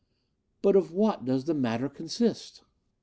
'But of what does the matter consist?